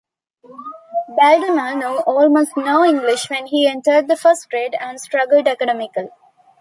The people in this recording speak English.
Baldemar knew almost no English when he entered the first grade, and struggled academically.